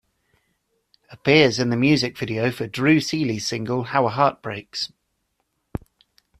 Appears in the music video for Drew Seeley's single "How A Heart Breaks"